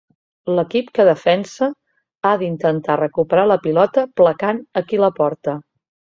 L'equip que defensa ha d'intentar recuperar la pilota placant a qui la porta.